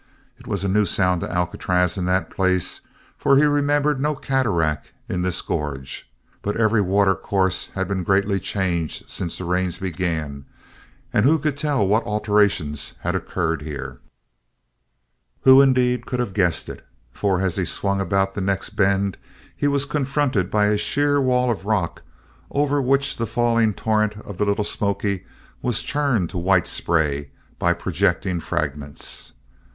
It was a new sound to Alcatraz in that place, for he remembered no cataract in this gorge. But every water course had been greatly changed since the rains began, and who could tell what alterations had occurred here? Who, indeed, could have guessed it? For as he swung about the next bend he was confronted by a sheer wall of rock over which the falling torrent of the Little Smoky was churned to white spray by projecting fragments.